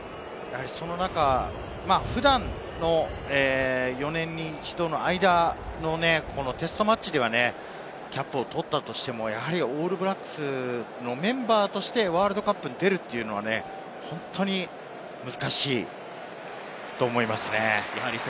そんな中、普段の４年に一度の間のテストマッチではキャップを取ったとしても、オールブラックスのメンバーとしてワールドカップに出るというのは本当に難しいと思いますね。